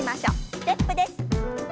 ステップです。